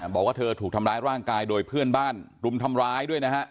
บอกว่าเธอถูกทำร้ายร่างกายโดยเพื่อนบ้านรุมทำร้ายด้วยนะฮะ